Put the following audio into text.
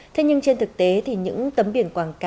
thế nhưng trên thực tế thì những tấm biển quảng cáo